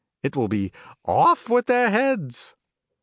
It will be "Of! with their heads